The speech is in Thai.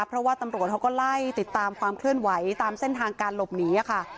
เพราะว่าตำรวจเขาก็ไล่ติดตามความเคลื่อนไหวตามเส้นทางการหลบหนีค่ะ